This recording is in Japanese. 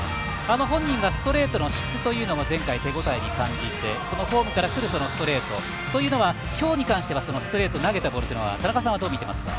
本人はストレートの質というのも前回、手応えに感じてフォームからくるストレートというのは、今日に関してストレート、投げたボール田中さんはどう感じますか？